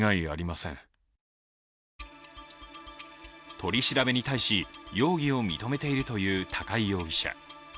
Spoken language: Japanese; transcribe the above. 取り調べに対し容疑を認めているという高井容疑者。